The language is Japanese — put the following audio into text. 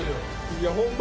いやホンマ。